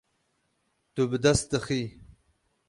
Tu bi dest dixî.